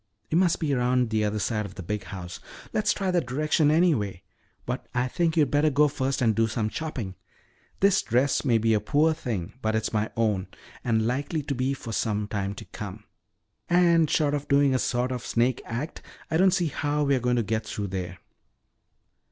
"It must be around the other side of the big house. Let's try that direction anyway. But I think you'd better go first and do some chopping. This dress may be a poor thing but it's my own and likely to be for some time to come. And short of doing a sort of snake act, I don't see how we're going to get through there."